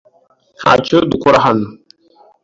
Ntacyo dukora hano.